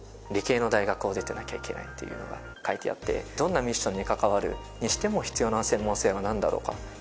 理系の大学を出てなきゃいけないっていうのが書いてあってどんなミッションに関わるにしても必要な専門性はなんだろうか。